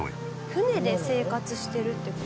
船で生活してるって事？